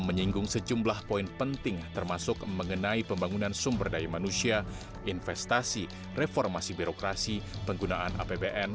menyinggung sejumlah poin penting termasuk mengenai pembangunan sumber daya manusia investasi reformasi birokrasi penggunaan apbn